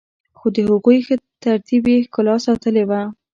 خو د هغوی ښه ترتیب يې ښکلا ساتلي وه.